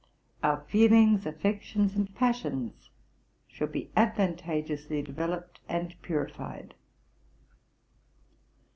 Our feelings, affections, and passions should be advantageously developed and purified."